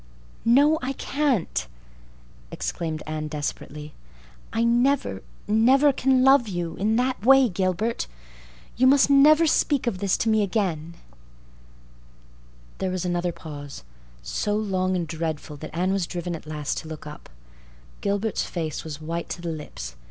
"No, I can't," exclaimed Anne desperately. "I never, never can love you—in that way—Gilbert. You must never speak of this to me again." There was another pause—so long and so dreadful that Anne was driven at last to look up. Gilbert's face was white to the lips.